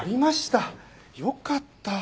よかった。